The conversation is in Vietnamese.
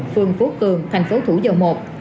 phường phố cường thành phố thủ dầu một